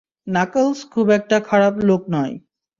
Knuckles খুব একটা খারাপ লোক নয়।